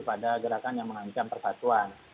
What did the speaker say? pada gerakan yang mengancam persatuan